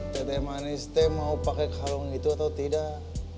teteh manis teh mau pakai kalau gitu atau tidak